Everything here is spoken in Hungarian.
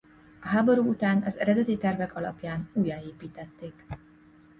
A háború után az eredeti tervek alapján újjáépítették.